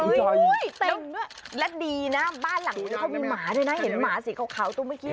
เต็มด้วยและดีนะบ้านหลังนี้เขามีหมาด้วยนะเห็นหมาสีขาวตรงเมื่อกี้